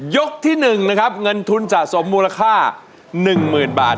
ที่๑นะครับเงินทุนสะสมมูลค่า๑๐๐๐บาท